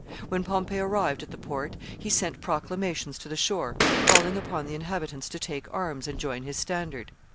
When Pompey arrived at the port he sent proclamations to the shore, calling upon the inhabitants to take arms and join his standard.